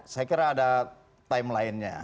saya kira ada timelinenya